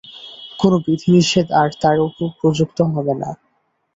কোন বিধিনিষেধ আর তার উপর প্রযুক্ত হবে না।